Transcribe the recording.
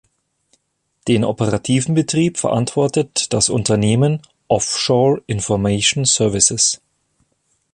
Den operativen Betrieb verantwortet das Unternehmen "Offshore Information Services".